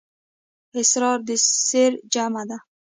اسرار د سِر جمعه ده.